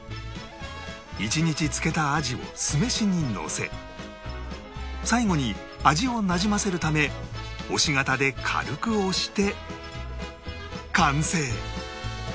１日漬けた鯵を酢飯にのせ最後に味をなじませるため押し型で軽く押して完成